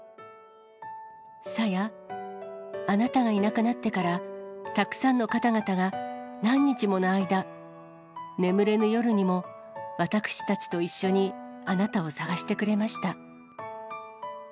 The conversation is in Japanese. さや、あなたがいなくなってから、たくさんの方々が何日もの間、眠れぬ夜にも私たちと一緒にあなたを捜してくれました。